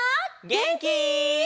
げんき？